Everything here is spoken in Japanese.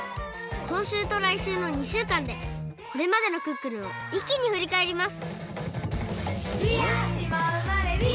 こんしゅうとらいしゅうの２しゅうかんでこれまでの「クックルン」をいっきにふりかえります！